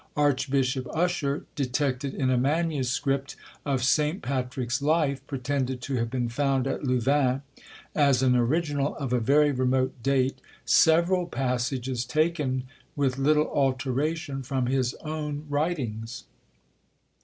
Archbishop Usher detected in a manuscript of St. Patrick's life, pretended to have been found at Louvain, as an original of a very remote date, several passages taken, with little alteration, from his own writings.